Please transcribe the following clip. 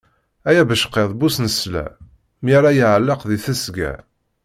Ay abeckiḍ bu snesla, mi ara iɛelleq di tesga.